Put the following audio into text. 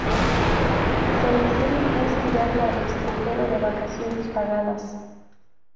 Su solución es enviarla al extranjero de vacaciones pagadas.